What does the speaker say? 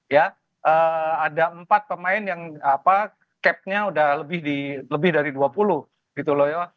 ya ada empat pemain yang capnya udah lebih dari dua puluh gitu loh ya